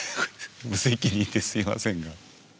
無責任ですいませんが。